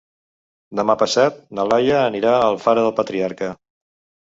Demà passat na Laia anirà a Alfara del Patriarca.